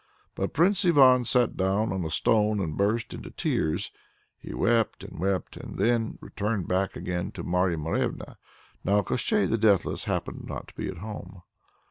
But Prince Ivan sat down on a stone and burst into tears. He wept and wept and then returned back again to Marya Morevna. Now Koshchei the Deathless happened not to be at home.